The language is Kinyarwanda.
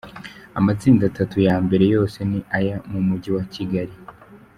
Amatsinda atatu ya mbere yose ni ayo mu Mujyi wa Kigali.